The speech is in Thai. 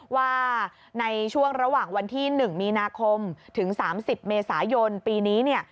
ว่าในช่วงระหว่างวันที่๑มีนาคมถึง๓๐เมษายนปีนี้